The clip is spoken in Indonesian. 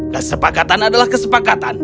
kesepakatan adalah kesepakatan